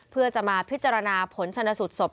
เพื่อจะมาพิจารณาผลชนสูตรศพ